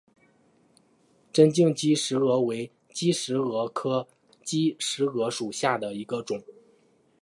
针茎姬石蛾为姬石蛾科姬石蛾属下的一个种。